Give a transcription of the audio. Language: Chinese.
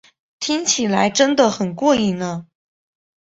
听起来真得很过瘾呢